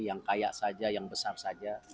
yang kaya saja yang besar saja